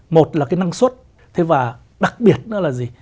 một là cái năng suất thế và đặc biệt nữa là gì